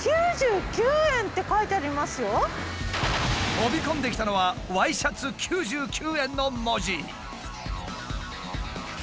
飛び込んできたのは「Ｙシャツ９９円」の文字。